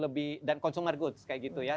lebih dan consumer goods kayak gitu ya